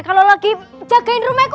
kalo lagi jagain rumah itu